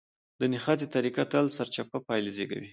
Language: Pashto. د نښتې طريقه تل سرچپه پايله زېږوي.